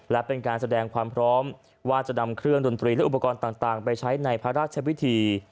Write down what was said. และเป็นการแสดงความพร้อมว่าจะนำเครื่องดนตรีและอุปกรณ์ต่างไปใช้ในพระราชพิธี